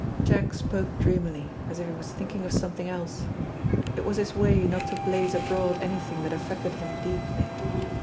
Jack spoke dreamily, as if he was thinking of something else. It was his way not to blaze abroad anything that affected him deeply.